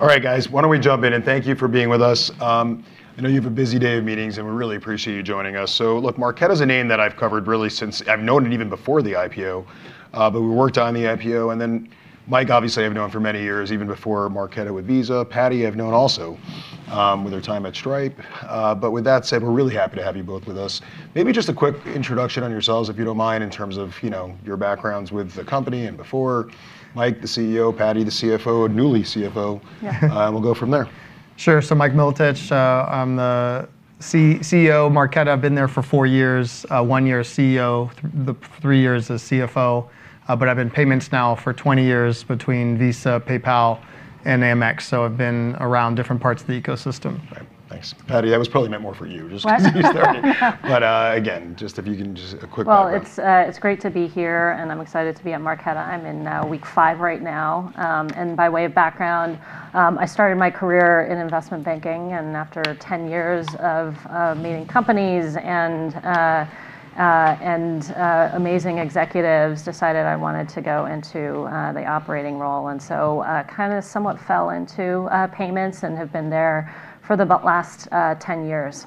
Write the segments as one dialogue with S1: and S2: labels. S1: All right, guys, why don't we jump in, and thank you for being with us. I know you have a busy day of meetings, and we really appreciate you joining us. Look, Marqeta's a name that I've covered really since I've known it even before the IPO, but we worked on the IPO. Then Mike, obviously, I've known for many years, even before Marqeta with Visa. Patti, I've known also, with her time at Stripe. With that said, we're really happy to have you both with us. Maybe just a quick introduction on yourselves, if you don't mind, in terms of, you know, your backgrounds with the company and before. Mike, the CEO, Patti, the CFO, newly CFO.
S2: Yeah.
S1: We'll go from there.
S3: Sure. Mike Milotich, I'm the CEO of Marqeta. I've been there for four years, one year as CEO, the three years as CFO. I've been in payments now for 20 years between Visa, PayPal and Amex, so I've been around different parts of the ecosystem.
S1: Right, thanks. Patti, that was probably meant more for you, just 'cause.
S2: What?
S1: You started. Again, just if you can just a quick background.
S2: Well, it's great to be here, and I'm excited to be at Marqeta. I'm in week five right now. By way of background, I started my career in investment banking, and after 10 years of meeting companies and amazing executives, decided I wanted to go into the operating role. Kinda somewhat fell into payments and have been there for the last 10 years.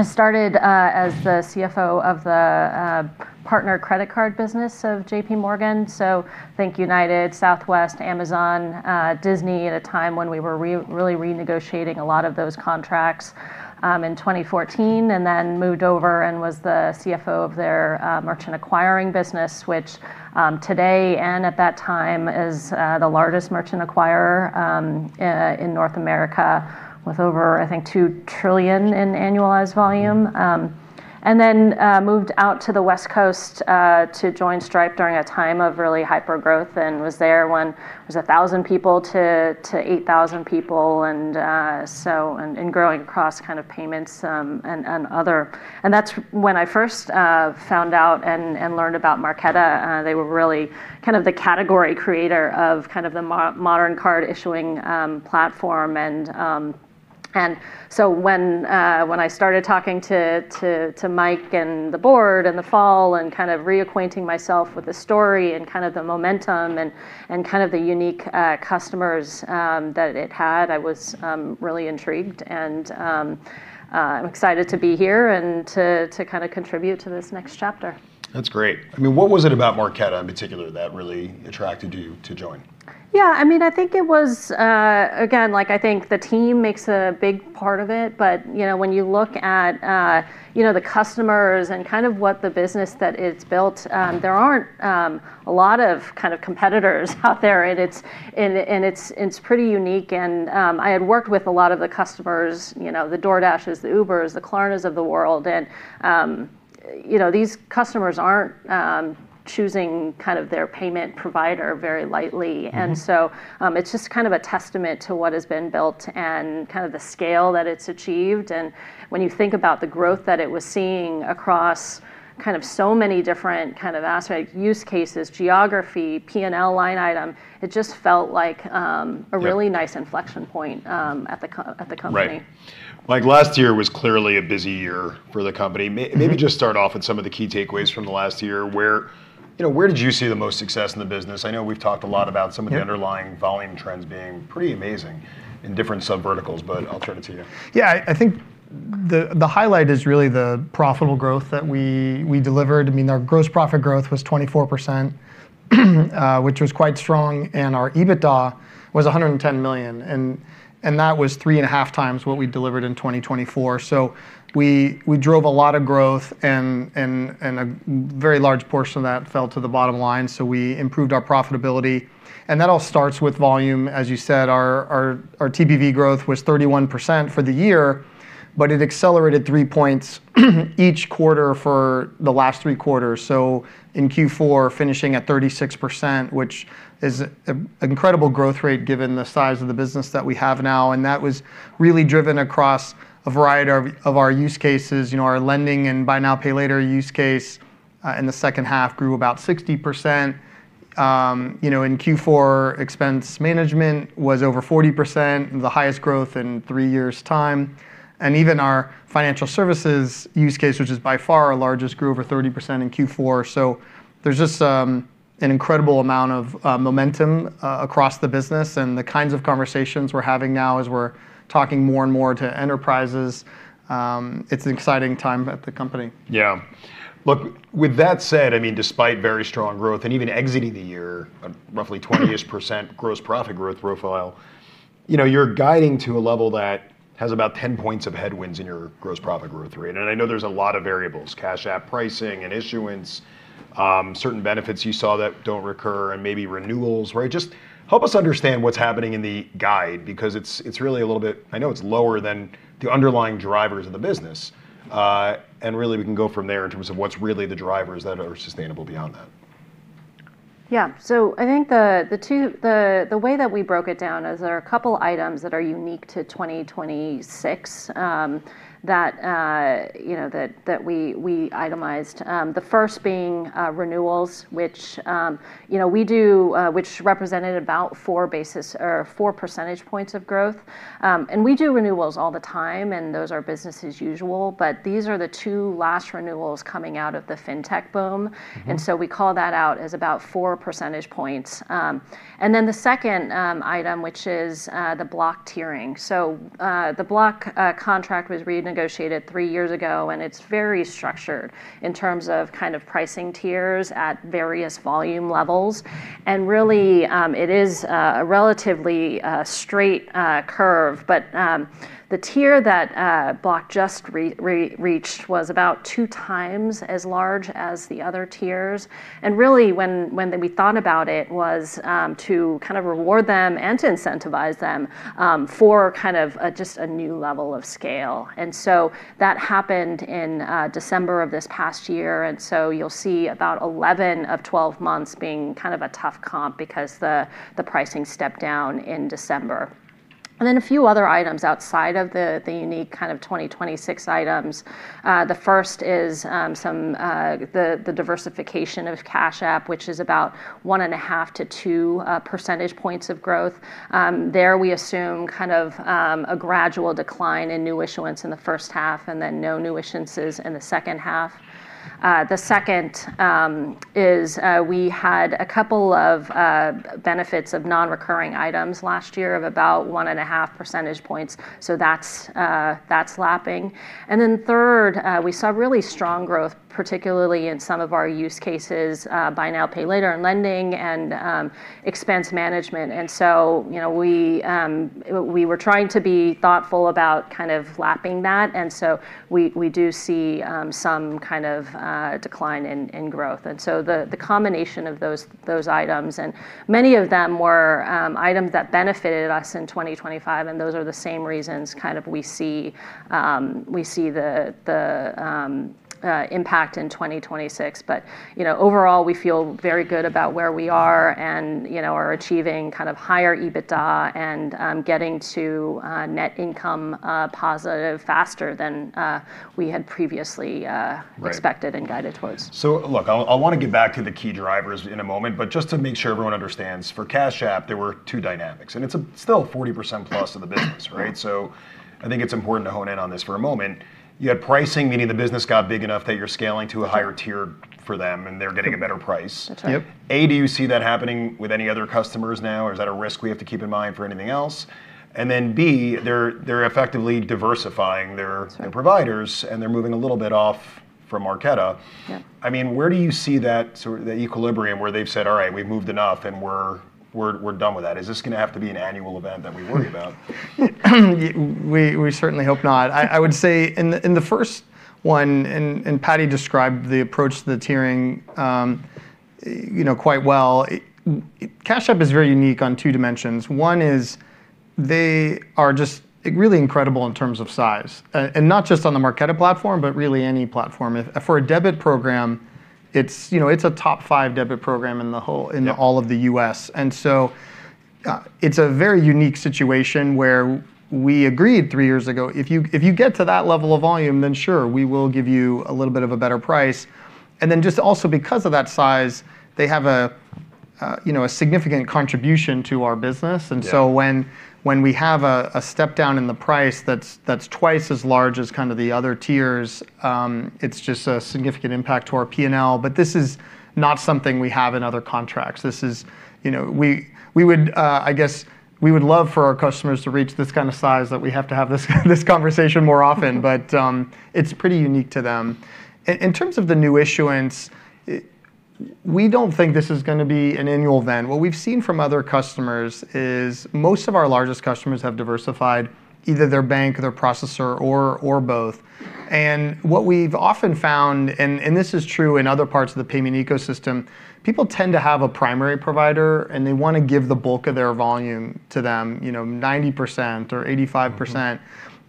S2: I started as the CFO of the partner credit card business of JPMorgan, so think United, Southwest, Amazon, Disney, at a time when we were really renegotiating a lot of those contracts in 2014 and then moved over and was the CFO of their merchant acquiring business, which today and at that time is the largest merchant acquirer in North America with over, I think, $2 trillion in annualized volume. I moved out to the West Coast to join Stripe during a time of really hyper-growth and was there when it was 1,000 people to 8,000 people and growing across kind of payments and other. That's when I first found out and learned about Marqeta. They were really kind of the category creator of kind of the modern card issuing platform. When I started talking to Mike and the board in the fall and kind of reacquainting myself with the story and kind of the momentum and kind of the unique customers that it had, I was really intrigued, and I'm excited to be here and to kinda contribute to this next chapter.
S1: That's great. I mean, what was it about Marqeta in particular that really attracted you to join?
S2: Yeah, I mean, I think it was, again, like, I think the team makes a big part of it, but, you know, when you look at, the customers and kind of what the business that it's built, there aren't a lot of kind of competitors out there and it's pretty unique and, I had worked with a lot of the customers, you know, the DoorDashs, the Ubers, the Klarnas of the world, and, you know, these customers aren't choosing kind of their payment provider very lightly.
S1: Mm-hmm.
S2: It's just kind of a testament to what has been built and kind of the scale that it's achieved. When you think about the growth that it was seeing across kind of so many different kind of aspect use cases, geography, P&L line item, it just felt like.
S1: Yeah
S2: a really nice inflection point at the company.
S1: Right. Mike, last year was clearly a busy year for the company.
S3: Mm-hmm.
S1: Maybe just start off with some of the key takeaways from the last year. Where, you know, where did you see the most success in the business? I know we've talked a lot about some-
S3: Yeah
S1: of the underlying volume trends being pretty amazing in different subverticals, but I'll turn it to you.
S3: Yeah, I think the highlight is really the profitable growth that we delivered. I mean, our gross profit growth was 24%, which was quite strong, and our EBITDA was $110 million, and that was 3.5x what we delivered in 2024. We drove a lot of growth and a very large portion of that fell to the bottom line, so we improved our profitability. That all starts with volume. As you said, our TPV growth was 31% for the year, but it accelerated three points each quarter for the last three quarters. In Q4, finishing at 36%, which is an incredible growth rate given the size of the business that we have now, and that was really driven across a variety of our use cases. You know, our lending and buy now, pay later use case in the second half grew about 60%. You know, in Q4, expense management was over 40%, the highest growth in three years' time. Even our financial services use case, which is by far our largest, grew over 30% in Q4. There's just an incredible amount of momentum across the business, and the kinds of conversations we're having now as we're talking more and more to enterprises, it's an exciting time at the company.
S1: Yeah. Look, with that said, I mean, despite very strong growth, and even exiting the year a roughly 20-ish percent gross profit growth profile, you know, you're guiding to a level that has about 10 points of headwinds in your gross profit growth rate. I know there's a lot of variables, Cash App pricing and issuance, certain benefits you saw that don't recur and maybe renewals, right? Just help us understand what's happening in the guide because it's really a little bit lower than the underlying drivers of the business, and really we can go from there in terms of what's really the drivers that are sustainable beyond that.
S2: Yeah. I think the way that we broke it down is there are a couple items that are unique to 2026, that you know we itemized. The first being renewals, which you know we do, which represented about 4 basis points or 4 percentage points of growth. We do renewals all the time, and those are business as usual. These are the two last renewals coming out of the fintech boom.
S1: Mm-hmm.
S2: We call that out as about 4 percentage points. The second item, which is the Block tiering. The Block contract was renegotiated three years ago, and it's very structured in terms of kind of pricing tiers at various volume levels. Really, it is a relatively straight curve. The tier that Block just reached was about 2x as large as the other tiers. Really, when we thought about it, was to kind of reward them and to incentivize them for kind of just a new level of scale. That happened in December of this past year, and you'll see about 11 of 12 months being kind of a tough comp because the pricing stepped down in December. A few other items outside of the unique kind of 2026 items. The first is the diversification of Cash App, which is about 1.5-2 percentage points of growth. There we assume a gradual decline in new issuance in the first half, and then no new issuances in the second half. The second is we had a couple of benefits of non-recurring items last year of about 1.5 percentage points, so that's lapping. Third, we saw really strong growth, particularly in some of our use cases, Buy Now, Pay Later, and lending, and expense management. You know, we were trying to be thoughtful about kind of lapping that, and so we do see some kind of decline in growth. The combination of those items, and many of them were items that benefited us in 2025, and those are the same reasons kind of we see the impact in 2026. You know, overall, we feel very good about where we are and are achieving kind of higher EBITDA and getting to net income positive faster than we had previously-
S1: Right
S2: expected and guided towards.
S1: Look, I wanna get back to the key drivers in a moment, but just to make sure everyone understands, for Cash App, there were two dynamics, and it's still a 40%+ of the business, right? I think it's important to hone in on this for a moment. You had pricing, meaning the business got big enough that you're scaling to a higher tier for them, and they're getting a better price.
S2: That's right.
S3: Yep.
S1: A, do you see that happening with any other customers now, or is that a risk we have to keep in mind for anything else? Then B, they're effectively diversifying their-
S2: That's right.
S1: their providers, they're moving a little bit off from Marqeta.
S2: Yeah.
S1: I mean, where do you see that sort of, that equilibrium where they've said, "All right, we've moved enough, and we're done with that?" Is this gonna have to be an annual event that we worry about?
S3: We certainly hope not. I would say in the first one, and Patti described the approach to the tiering, you know, quite well. Cash App is very unique on two dimensions. One is they are just really incredible in terms of size, and not just on the Marqeta platform, but really any platform. For a debit program, you know, it's a top five debit program in the whole-
S1: Yeah
S3: in all of the U.S. It's a very unique situation where we agreed three years ago, if you get to that level of volume, then sure, we will give you a little bit of a better price. Just also because of that size, they have, you know, a significant contribution to our business.
S1: Yeah.
S3: When we have a step down in the price that's twice as large as kind of the other tiers, it's just a significant impact to our P&L. This is not something we have in other contracts. This is, you know, we would, I guess, we would love for our customers to reach this kind of size that we have to have this conversation more often, but it's pretty unique to them. In terms of the new issuance, we don't think this is gonna be an annual event. What we've seen from other customers is most of our largest customers have diversified either their bank, their processor, or both. What we've often found, and this is true in other parts of the payment ecosystem, people tend to have a primary provider, and they wanna give the bulk of their volume to them, you know, 90% or 85%.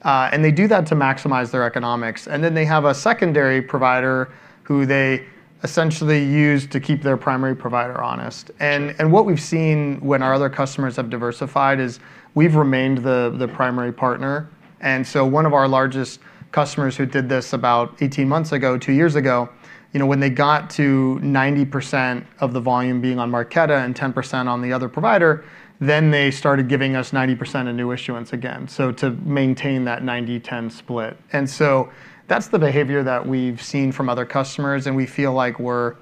S1: Mm-hmm.
S3: They do that to maximize their economics. Then they have a secondary provider who they essentially use to keep their primary provider honest.
S1: Sure
S3: What we've seen when our other customers have diversified is we've remained the primary partner. One of our largest customers who did this about 18 months ago, two years ago, you know, when they got to 90% of the volume being on Marqeta and 10% on the other provider, then they started giving us 90% of new issuance again. To maintain that 90-10 split. That's the behavior that we've seen from other customers, and we feel like we're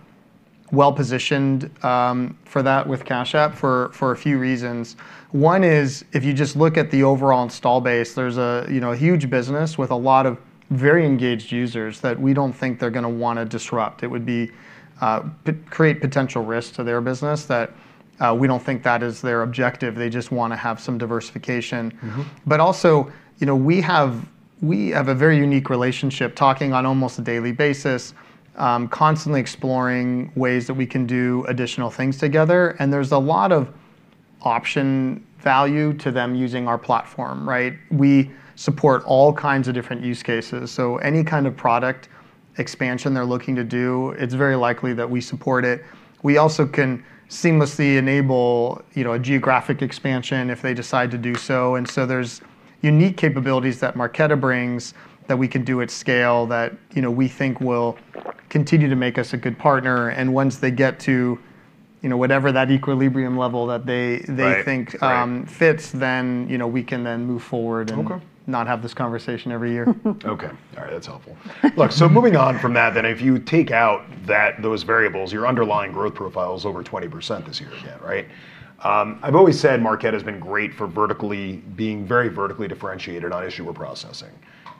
S3: well-positioned for that with Cash App for a few reasons. One is, if you just look at the overall install base, there's a you know, huge business with a lot of very engaged users that we don't think they're gonna wanna disrupt. It would be create potential risk to their business that we don't think that is their objective. They just wanna have some diversification.
S1: Mm-hmm.
S3: also, you know, we have a very unique relationship, talking on almost a daily basis, constantly exploring ways that we can do additional things together. There's a lot of option value to them using our platform, right? We support all kinds of different use cases, so any kind of product expansion they're looking to do, it's very likely that we support it. We also can seamlessly enable, you know, a geographic expansion if they decide to do so, and so there's unique capabilities that Marqeta brings that we can do at scale that, you know, we think will continue to make us a good partner. Once they get to, you know, whatever that equilibrium level that they-
S1: Right. Great
S3: they think fits, then, you know, we can then move forward and-
S1: Okay
S3: not have this conversation every year.
S1: Okay. All right, that's helpful. Look, moving on from that then, if you take out that, those variables, your underlying growth profile is over 20% this year again, right? I've always said Marqeta's been great for vertically, being very vertically differentiated on issuer processing.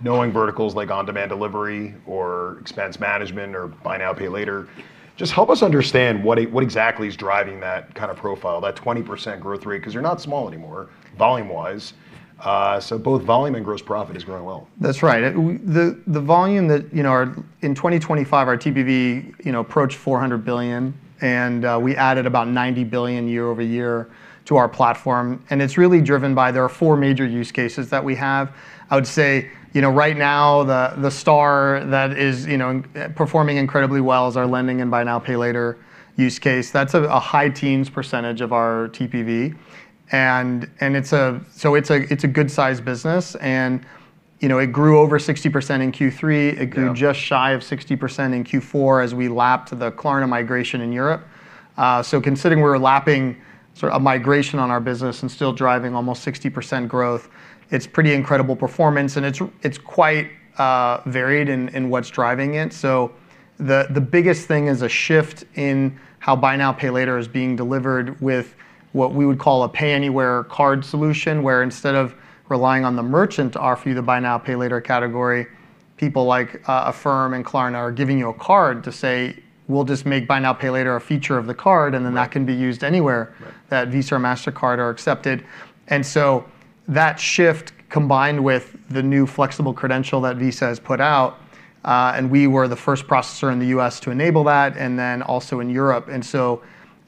S1: Knowing verticals like on-demand delivery or expense management or buy now, pay later, just help us understand what exactly is driving that kinda profile, that 20% growth rate, 'cause you're not small anymore volume-wise. Both volume and gross profit is growing well.
S3: That's right. The volume that you know in 2025 our TPV you know approached $400 billion, and we added about $90 billion year-over-year to our platform, and it's really driven by. There are four major use cases that we have. I would say you know right now the star that is you know performing incredibly well is our lending and buy now pay later use case. That's a high-teens percentage of our TPV, and it's a good size business, and you know it grew over 60% in Q3.
S1: Yeah.
S3: It grew just shy of 60% in Q4 as we lapped the Klarna migration in Europe. Considering we're lapping sort of migration on our business and still driving almost 60% growth, it's pretty incredible performance, and it's quite varied in what's driving it. The biggest thing is a shift in how buy now, pay later is being delivered with what we would call a pay anywhere card solution, where instead of relying on the merchant to offer you the buy now, pay later category, people like Affirm and Klarna are giving you a card to say, "We'll just make buy now, pay later a feature of the card-
S1: Right
S3: that can be used anywhere.
S1: Right
S3: That Visa or Mastercard are accepted. That shift, combined with the new flexible credential that Visa has put out, and we were the first processor in the U.S. to enable that, and then also in Europe.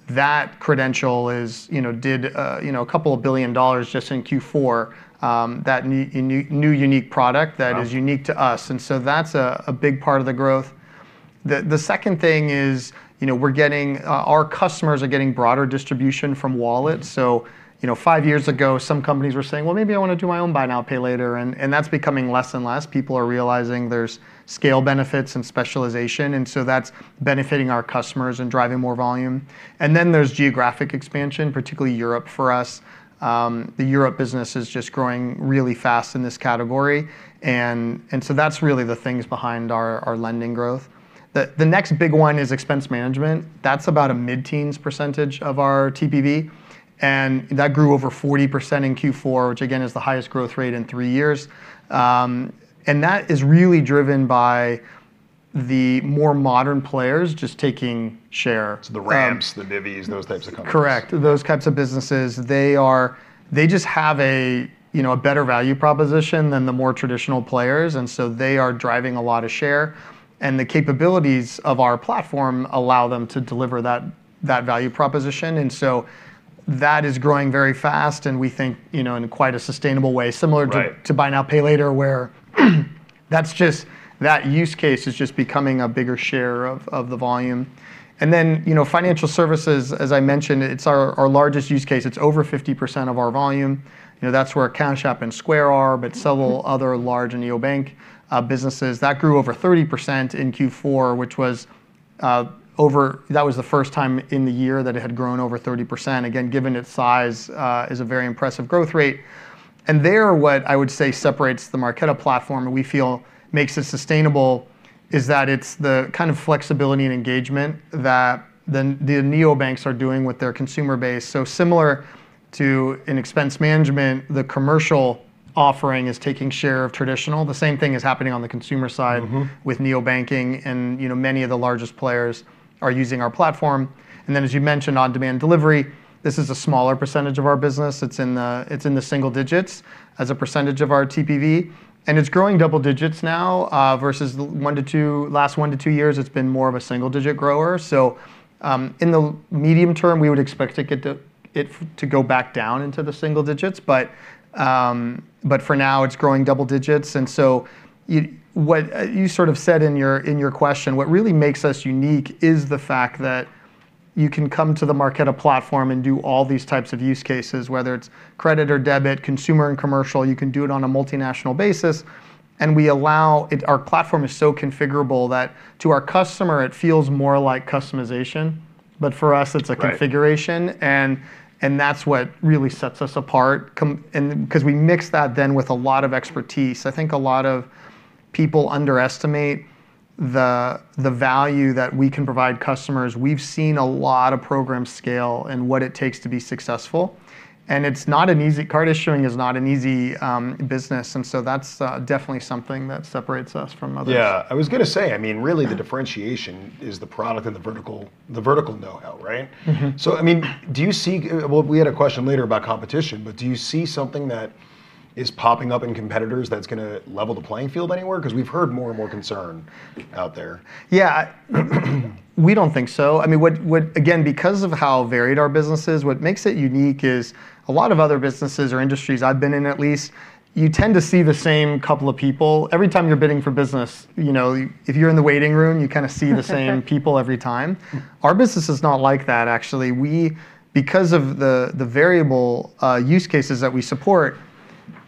S3: That credential is, you know, did, you know, a couple of billion dollars just in Q4, that new unique product that-
S1: Wow
S3: is unique to us, and so that's a big part of the growth. The second thing is, you know, our customers are getting broader distribution from wallets. Five years ago, some companies were saying, "Well, maybe I wanna do my own buy now, pay later," and that's becoming less and less. People are realizing there's scale benefits and specialization, and so that's benefiting our customers and driving more volume. Then there's geographic expansion, particularly Europe for us. The Europe business is just growing really fast in this category, and so that's really the things behind our lending growth. The next big one is expense management. That's about a mid-teens% of our TPV, and that grew over 40% in Q4, which again, is the highest growth rate in three years. That is really driven by the more modern players just taking share.
S1: The Ramp, the Divvy, those types of companies.
S3: Correct. Those types of businesses. They are, they just have a, you know, a better value proposition than the more traditional players, and so they are driving a lot of share, and the capabilities of our platform allow them to deliver that value proposition. That is growing very fast, and we think, you know, in quite a sustainable way.
S1: Right.
S3: Similar to buy now, pay later, where that use case is just becoming a bigger share of the volume. You know, financial services, as I mentioned, it's our largest use case. It's over 50% of our volume. You know, that's where Cash App and Square are, but several other large neobank businesses. That grew over 30% in Q4, which was the first time in the year that it had grown over 30%. Again, given its size, is a very impressive growth rate. What I would say separates the Marqeta platform and we feel makes it sustainable is that it's the kind of flexibility and engagement that then the neobanks are doing with their consumer base. Similar to an expense management, the commercial offering is taking share of traditional. The same thing is happening on the consumer side.
S1: Mm-hmm
S3: With neobanking, you know, many of the largest players are using our platform. Then as you mentioned, on-demand delivery, this is a smaller percentage of our business. It's in the single digits as a percentage of our TPV, and it's growing double digits now, versus the last one to two years, it's been more of a single-digit grower. In the medium term, we would expect to get it to go back down into the single digits. For now, it's growing double digits. What you sort of said in your question, what really makes us unique is the fact that you can come to the Marqeta platform and do all these types of use cases, whether it's credit or debit, consumer and commercial. You can do it on a multinational basis, and we allow it, our platform is so configurable that to our customer, it feels more like customization, but for us it's a configuration.
S1: Right.
S3: That's what really sets us apart 'cause we mix that then with a lot of expertise. I think a lot of people underestimate the value that we can provide customers. We've seen a lot of programs scale and what it takes to be successful, and it's not an easy card issuing business, and that's definitely something that separates us from others.
S1: Yeah. I was gonna say, I mean, really the differentiation is the product and the vertical know-how, right?
S3: Mm-hmm.
S1: I mean, do you see well, we had a question later about competition, but do you see something that's popping up in competitors that's gonna level the playing field anywhere? 'Cause we've heard more and more concern out there.
S3: Yeah. We don't think so. I mean, what. Again, because of how varied our business is, what makes it unique is a lot of other businesses or industries I've been in at least, you tend to see the same couple of people every time you're bidding for business. You know, if you're in the waiting room, you kinda see the same people every time. Our business is not like that, actually. We, because of the variable use cases that we support,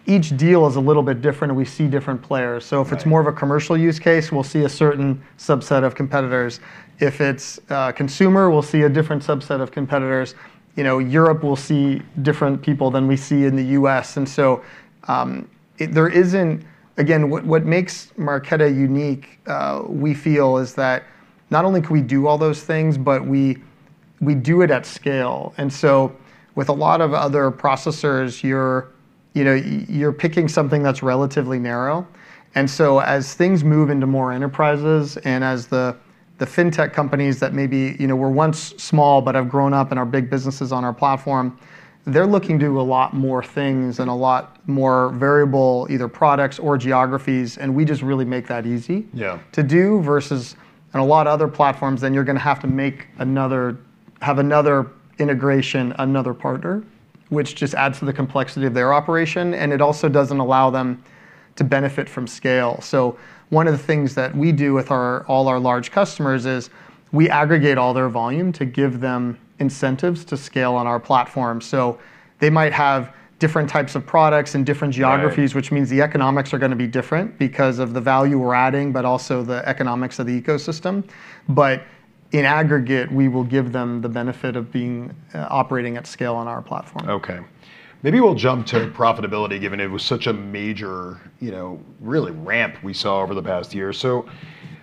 S3: each deal is a little bit different and we see different players.
S1: Right.
S3: If it's more of a commercial use case, we'll see a certain subset of competitors. If it's a consumer, we'll see a different subset of competitors. You know, Europe, we'll see different people than we see in the U.S. Again, what makes Marqeta unique, we feel, is that not only can we do all those things, but we do it at scale. With a lot of other processors, you're, you know, you're picking something that's relatively narrow. As things move into more enterprises, and as the fintech companies that maybe, you know, were once small but have grown up and are big businesses on our platform, they're looking to do a lot more things and a lot more variable either products or geographies, and we just really make that easy-
S1: Yeah
S3: to do versus on a lot of other platforms, then you're gonna have to have another integration, another partner, which just adds to the complexity of their operation, and it also doesn't allow them to benefit from scale. One of the things that we do with all our large customers is we aggregate all their volume to give them incentives to scale on our platform. They might have different types of products in different geographies.
S1: Right
S3: Which means the economics are gonna be different because of the value we're adding, but also the economics of the ecosystem. In aggregate, we will give them the benefit of being operating at scale on our platform.
S1: Okay. Maybe we'll jump to profitability given it was such a major, you know, really ramp we saw over the past year.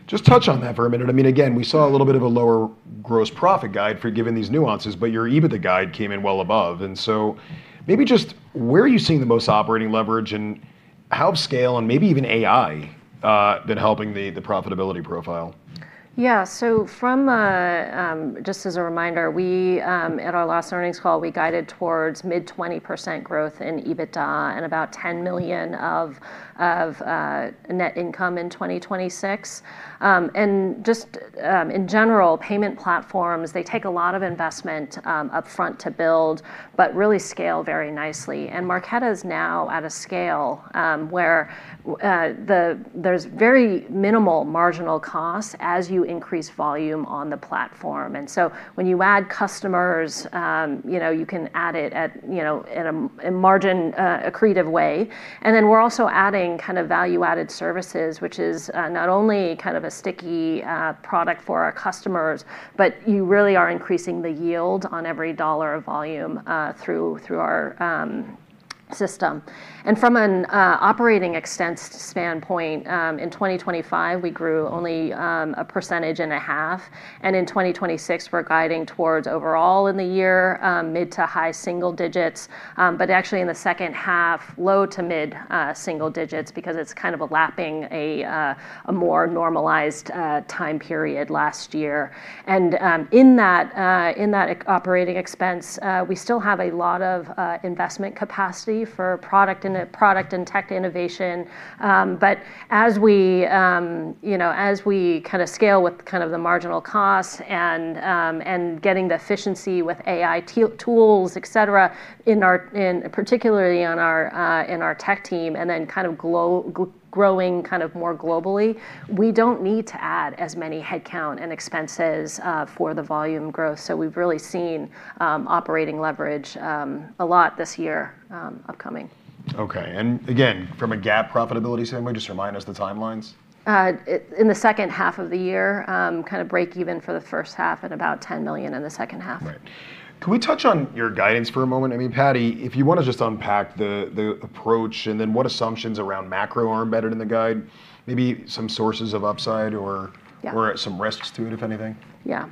S1: Just touch on that for a minute. I mean, again, we saw a little bit of a lower gross profit guide, given these nuances, but your EBITDA guide came in well above. Maybe just where are you seeing the most operating leverage, and how's scale and maybe even AI been helping the profitability profile?
S2: Yeah. From a, just as a reminder, we at our last earnings call, we guided towards mid-20% growth in EBITDA and about $10 million of net income in 2026. In general, payment platforms, they take a lot of investment upfront to build, but really scale very nicely. Marqeta's now at a scale where there's very minimal marginal costs as you increase volume on the platform. When you add customers, you know, you can add it at, you know, in a margin accretive way. Then we're also adding kind of value-added services, which is not only kind of a sticky product for our customers, but you really are increasing the yield on every dollar of volume through our system. From an operating expense standpoint, in 2025, we grew only 1.5%, and in 2026, we're guiding toward overall in the year mid- to high-single-digits, but actually in the second half, low- to mid-single-digits because it's kind of lapping a more normalized time period last year. In that operating expense, we still have a lot of investment capacity for product and tech innovation. As we kinda scale with kind of the marginal costs and getting the efficiency with AI tools, et cetera, particularly in our tech team, and then kind of growing kind of more globally, we don't need to add as many headcount and expenses for the volume growth. We've really seen operating leverage a lot this year, upcoming.
S1: Okay. Again, from a GAAP profitability standpoint, just remind us the timelines.
S2: In the second half of the year, kinda break even for the first half and about $10 million in the second half.
S1: Right. Can we touch on your guidance for a moment? I mean, Patti if you wanna just unpack the approach, and then what assumptions around macro are embedded in the guide, maybe some sources of upside or-
S2: Yeah
S1: some risks to it, if anything.
S2: Yeah.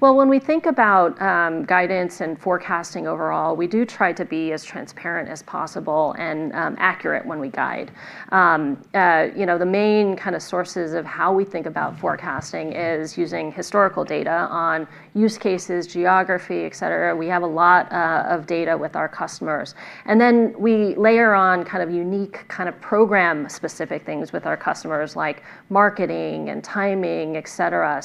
S2: Well, when we think about guidance and forecasting overall, we do try to be as transparent as possible and accurate when we guide. You know, the main kinda sources of how we think about forecasting is using historical data on use cases, geography, et cetera. We have a lot of data with our customers. We layer on kind of unique kind of program-specific things with our customers, like marketing and timing, et cetera.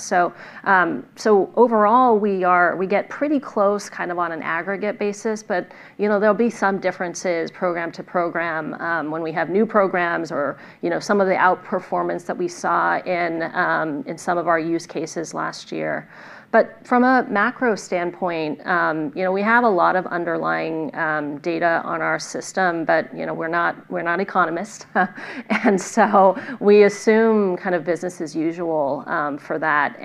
S2: Overall we get pretty close kind of on an aggregate basis, but you know, there'll be some differences program to program when we have new programs or you know, some of the outperformance that we saw in some of our use cases last year. From a macro standpoint, you know, we have a lot of underlying data on our system, but, you know, we're not economists. We assume kind of business as usual for that.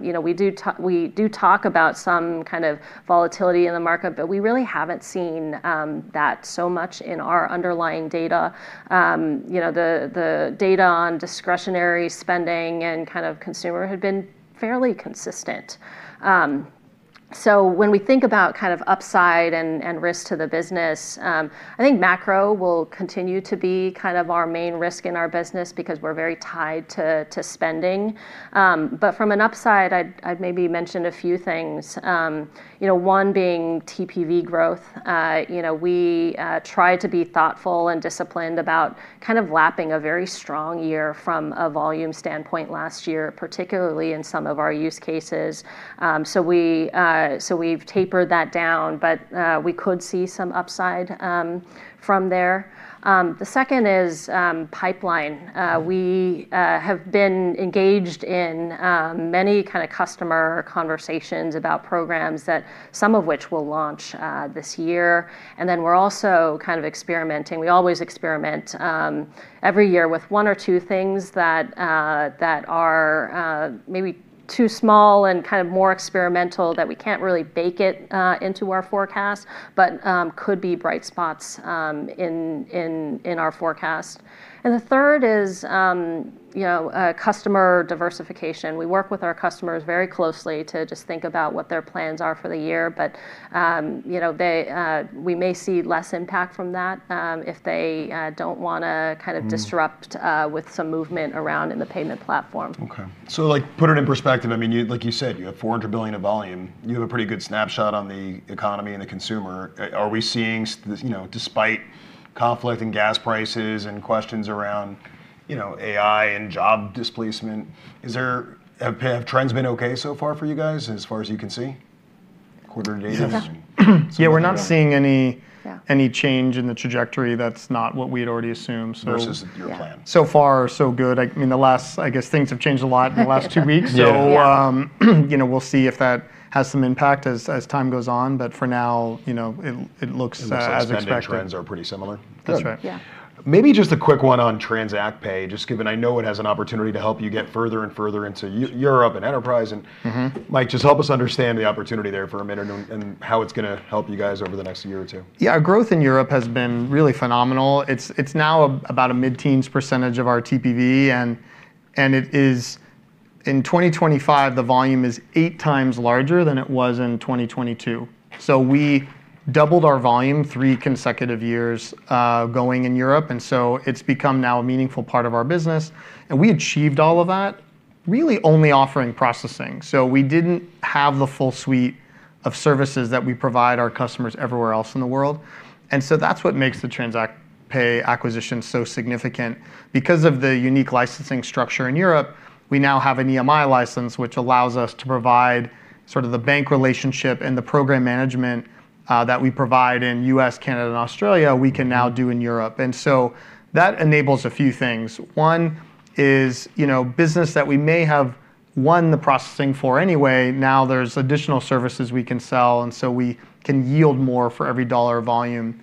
S2: You know, we do talk about some kind of volatility in the market, but we really haven't seen that so much in our underlying data. You know, the data on discretionary spending and kind of consumer health had been fairly consistent. When we think about kind of upside and risk to the business, I think macro will continue to be kind of our main risk in our business because we're very tied to spending. From an upside I'd maybe mention a few things. You know, one being TPV growth. You know, we try to be thoughtful and disciplined about kind of lapping a very strong year from a volume standpoint last year, particularly in some of our use cases. So we've tapered that down, but we could see some upside from there. The second is pipeline. We have been engaged in many kind of customer conversations about programs that some of which we'll launch this year. Then we're also kind of experimenting. We always experiment every year with one or two things that are maybe too small and kind of more experimental that we can't really bake it into our forecast, but could be bright spots in our forecast. The third is, you know, customer diversification. We work with our customers very closely to just think about what their plans are for the year. You know, we may see less impact from that if they don't wanna-
S1: Mm
S2: disrupt, with some movement around in the payment platform.
S1: Okay. Like, put it in perspective, I mean, you, like you said, you have $400 billion of volume. You have a pretty good snapshot on the economy and the consumer. Are we seeing, you know, despite conflict in gas prices and questions around, you know, AI and job displacement, have trends been okay so far for you guys as far as you can see quarter to date? I mean.
S2: Yeah.
S3: Yes. Yeah, we're not seeing any.
S2: Yeah
S3: Any change in the trajectory that's not what we had already assumed, so.
S1: Versus your plan.
S2: Yeah.
S3: So far so good. I mean, things have changed a lot in the last two weeks.
S1: Yeah.
S2: Yeah.
S3: You know, we'll see if that has some impact as time goes on, but for now, you know, it looks as expected.
S1: It looks like spending trends are pretty similar?
S3: That's right.
S2: Yeah.
S1: Maybe just a quick one on TransactPay, just given I know it has an opportunity to help you get further and further into Europe and enterprise.
S3: Mm-hmm
S1: Mike, just help us understand the opportunity there for a minute and how it's gonna help you guys over the next year or two.
S3: Yeah. Our growth in Europe has been really phenomenal. It's now about a mid-teens% of our TPV, and it is, in 2025, the volume is eight times larger than it was in 2022. We doubled our volume three consecutive years, going in Europe, and so it's become now a meaningful part of our business. We achieved all of that really only offering processing. We didn't have the full suite of services that we provide our customers everywhere else in the world. That's what makes the TransactPay acquisition so significant. Because of the unique licensing structure in Europe, we now have an EMI license which allows us to provide sort of the bank relationship and the program management that we provide in U.S., Canada, and Australia, we can now do in Europe. That enables a few things. One is, you know, business that we may have won the processing for anyway, now there's additional services we can sell, and so we can yield more for every dollar volume,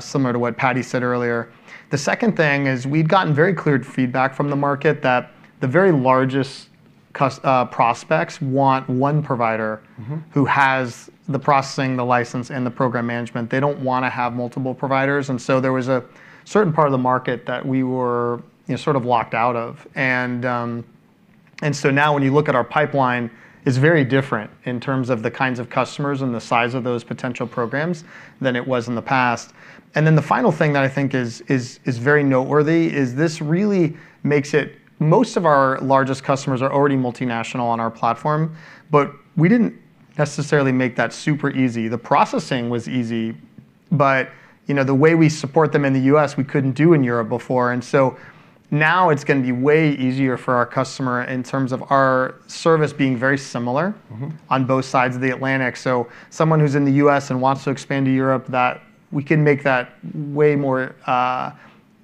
S3: similar to what Patti said earlier. The second thing is we'd gotten very clear feedback from the market that the very largest prospects want one provider.
S1: Mm-hmm
S3: Who has the processing, the license, and the program management. They don't wanna have multiple providers, and so there was a certain part of the market that we were, you know, sort of locked out of. Now when you look at our pipeline, it's very different in terms of the kinds of customers and the size of those potential programs than it was in the past. The final thing that I think is very noteworthy is this really makes it. Most of our largest customers are already multinational on our platform, but we didn't necessarily make that super easy. The processing was easy, but, you know, the way we support them in the U.S. we couldn't do in Europe before. Now it's gonna be way easier for our customer in terms of our service being very similar.
S1: Mm-hmm
S3: On both sides of the Atlantic. Someone who's in the U.S. and wants to expand to Europe, that we can make that way more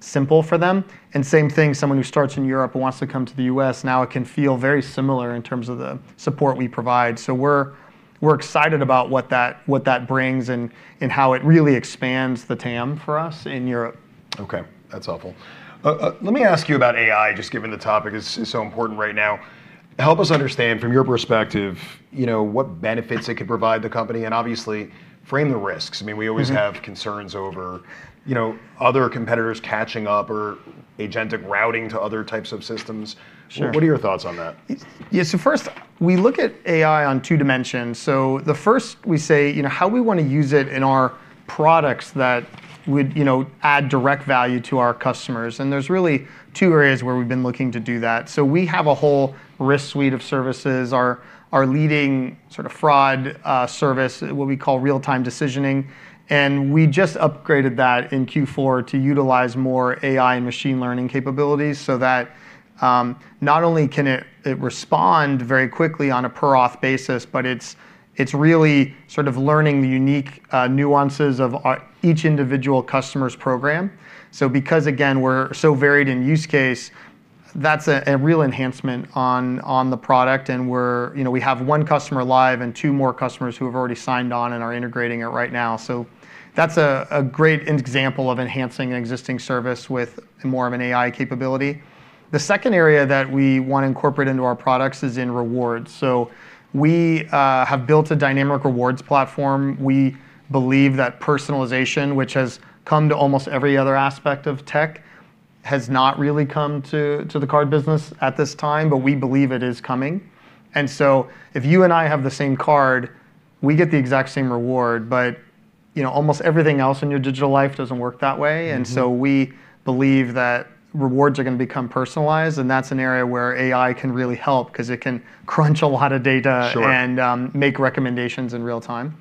S3: simple for them. Same thing, someone who starts in Europe and wants to come to the U.S., now it can feel very similar in terms of the support we provide. We're excited about what that brings and how it really expands the TAM for us in Europe.
S1: Okay. That's helpful. Let me ask you about AI, just given the topic is so important right now. Help us understand from your perspective, you know, what benefits it could provide the company, and obviously frame the risks?
S3: Mm-hmm
S1: Have concerns over, you know, other competitors catching up or agentic routing to other types of systems.
S3: Sure.
S1: What are your thoughts on that?
S3: First we look at AI on two dimensions. The first we say, you know, how we wanna use it in our products that would, you know, add direct value to our customers, and there's really two areas where we've been looking to do that. We have a whole risk suite of services. Our leading sort of fraud service, what we call real-time decisioning, and we just upgraded that in Q4 to utilize more AI and machine learning capabilities so that not only can it respond very quickly on a per auth basis, but it's really sort of learning the unique nuances of each individual customer's program. Because, again, we're so varied in use case, that's a real enhancement on the product and we're, you know, we have one customer live and two more customers who have already signed on and are integrating it right now. That's a great example of enhancing an existing service with more of an AI capability. The second area that we wanna incorporate into our products is in rewards. We have built a dynamic rewards platform. We believe that personalization, which has come to almost every other aspect of tech has not really come to the card business at this time, but we believe it is coming. If you and I have the same card, we get the exact same reward, but, you know, almost everything else in your digital life doesn't work that way.
S1: Mm-hmm.
S3: We believe that rewards are gonna become personalized, and that's an area where AI can really help 'cause it can crunch a lot of data.
S1: Sure
S3: make recommendations in real time.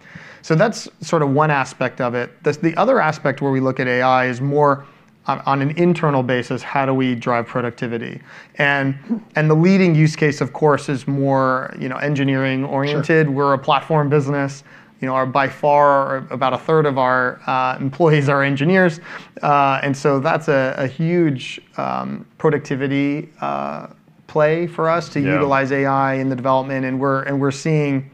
S3: That's sort of one aspect of it. The other aspect where we look at AI is more on an internal basis, how do we drive productivity?
S1: Hmm
S3: The leading use case, of course, is more, you know, engineering oriented.
S1: Sure.
S3: We're a platform business. You know, by far or about a third of our employees are engineers. That's a huge productivity play for us-
S1: Yeah...
S3: to utilize AI in the development, and we're seeing,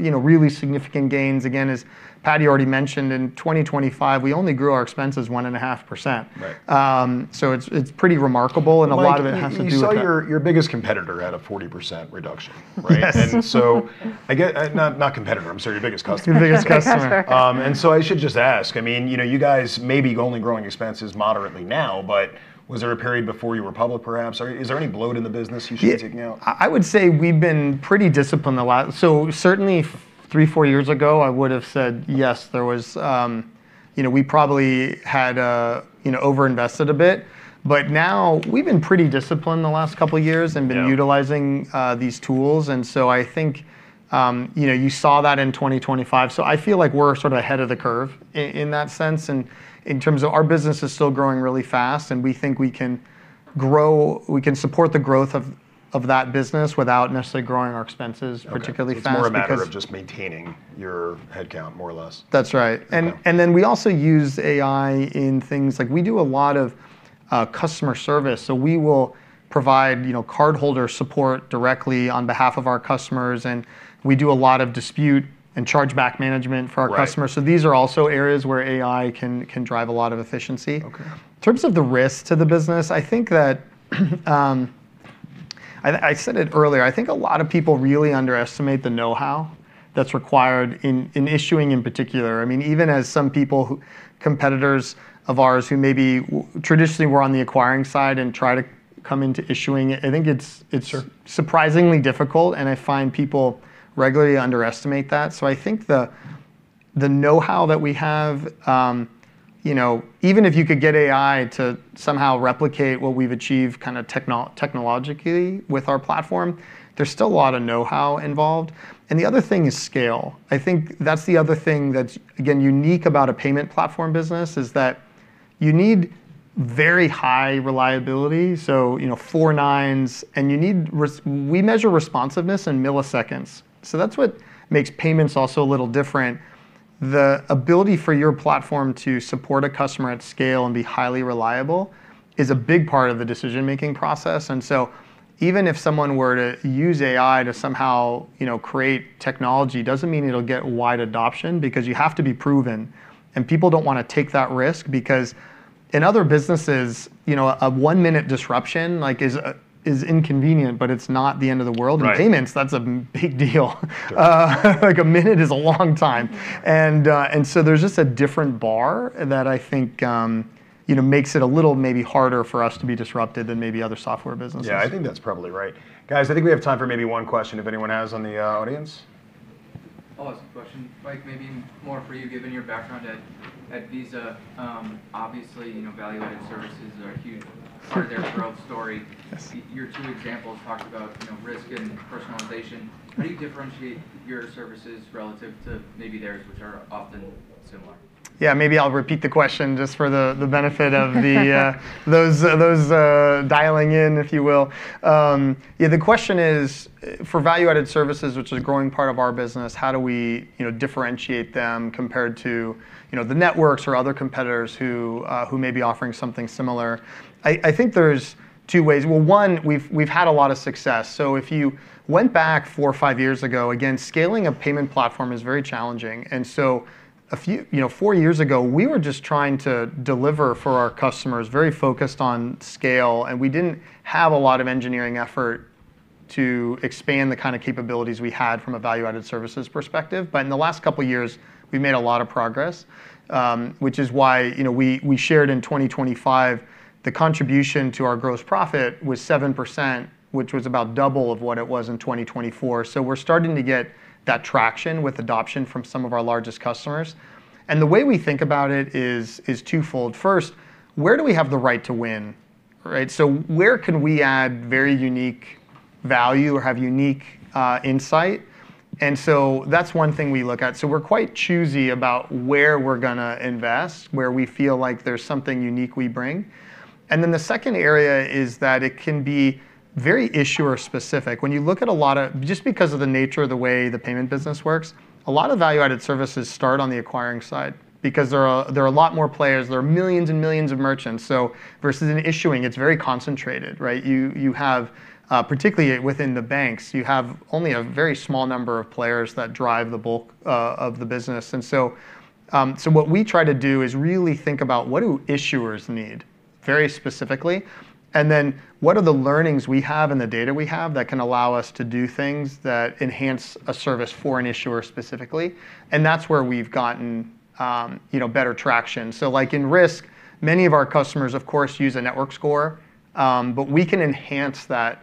S3: you know, really significant gains. Again, as Patti already mentioned, in 2025 we only grew our expenses 1.5%.
S1: Right.
S3: It's pretty remarkable, and a lot of it has to do with.
S1: Mike, you saw your biggest competitor at a 40% reduction, right?
S3: Yes.
S1: Not competitor, I'm sorry, your biggest customer.
S3: Biggest customer.
S2: Customer.
S1: I should just ask, I mean, you know, you guys may be only growing expenses moderately now, but was there a period before you were public, perhaps, or is there any bloat in the business you should be taking out?
S3: Yeah. I would say we've been pretty disciplined. So certainly three, four years ago, I would've said yes, there was, you know, we probably had, you know, overinvested a bit. Now we've been pretty disciplined the last couple years.
S1: Yeah
S3: Been utilizing these tools. I think you know, you saw that in 2025. I feel like we're sort of ahead of the curve in that sense. In terms of our business is still growing really fast, and we think we can support the growth of that business without necessarily growing our expenses particularly fast because
S1: Okay. It's more a matter of just maintaining your headcount more or less.
S3: That's right.
S1: Okay.
S3: We also use AI in things like we do a lot of customer service, so we will provide, you know, cardholder support directly on behalf of our customers, and we do a lot of dispute and chargeback management for our customers.
S1: Right.
S3: These are also areas where AI can drive a lot of efficiency.
S1: Okay.
S3: In terms of the risk to the business, I think that I said it earlier. I think a lot of people really underestimate the know-how that's required in issuing in particular. I mean, even competitors of ours who maybe traditionally were on the acquiring side and try to come into issuing it, I think it's surprisingly difficult, and I find people regularly underestimate that. I think the know-how that we have, you know, even if you could get AI to somehow replicate what we've achieved kinda technologically with our platform, there's still a lot of know-how involved. The other thing is scale. I think that's the other thing that's, again, unique about a payment platform business, is that you need very high reliability, so, you know, four nines, and you need we measure responsiveness in milliseconds. That's what makes payments also a little different. The ability for your platform to support a customer at scale and be highly reliable is a big part of the decision-making process. Even if someone were to use AI to somehow, you know, create technology, doesn't mean it'll get wide adoption because you have to be proven, and people don't wanna take that risk. Because in other businesses, you know, a one-minute disruption like is inconvenient, but it's not the end of the world.
S1: Right.
S3: In payments, that's a big deal.
S1: Sure.
S3: Like a minute is a long time. There's just a different bar that I think, you know, makes it a little maybe harder for us to be disrupted than maybe other software businesses.
S1: Yeah, I think that's probably right. Guys, I think we have time for maybe one question if anyone has one in the audience.
S4: I'll ask a question. Mike, maybe more for you given your background at Visa. Obviously, you know, value-added services are a huge part of their growth story.
S3: Yes.
S4: Your two examples talked about, you know, risk and personalization. How do you differentiate your services relative to maybe theirs, which are often similar?
S3: Yeah, maybe I'll repeat the question just for the benefit of those dialing in, if you will. Yeah, the question is for value-added services, which is a growing part of our business, how do we, you know, differentiate them compared to, you know, the networks or other competitors who may be offering something similar. I think there's two ways. Well, one, we've had a lot of success. So if you went back four or five years ago, again, scaling a payment platform is very challenging. You know, four years ago, we were just trying to deliver for our customers, very focused on scale, and we didn't have a lot of engineering effort to expand the kind of capabilities we had from a value-added services perspective. In the last couple years we've made a lot of progress, which is why, you know, we shared in 2025 the contribution to our gross profit was 7%, which was about double of what it was in 2024. We're starting to get that traction with adoption from some of our largest customers. The way we think about it is twofold. First, where do we have the right to win, right? Where can we add very unique value or have unique insight? That's one thing we look at. We're quite choosy about where we're gonna invest, where we feel like there's something unique we bring. Then the second area is that it can be very issuer specific. When you look at a lot of just because of the nature of the way the payment business works, a lot of value-added services start on the acquiring side because there are a lot more players. There are millions and millions of merchants. Versus in issuing, it's very concentrated, right? You have, particularly within the banks, only a very small number of players that drive the bulk of the business. What we try to do is really think about what issuers need very specifically, and then what are the learnings we have and the data we have that can allow us to do things that enhance a service for an issuer specifically, and that's where we've gotten, you know, better traction. Like in risk, many of our customers, of course, use a network score. We can enhance that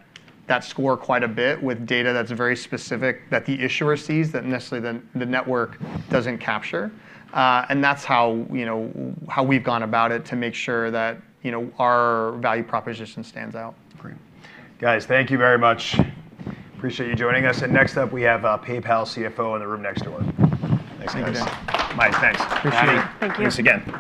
S3: score quite a bit with data that's very specific that the issuer sees that necessarily the network doesn't capture. That's how, you know, how we've gone about it to make sure that, you know, our value proposition stands out.
S1: Great. Guys, thank you very much. Appreciate you joining us. Next up we have, PayPal CFO in the room next door. Thanks, guys.
S3: Thank you, guys.
S1: Mike, thanks.
S3: Appreciate it.
S1: Patti-
S2: Thank you.
S1: Thanks again.